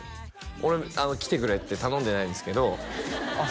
俺「来てくれ」って頼んでないんですけどあっ